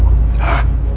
dan yang menang adalah aku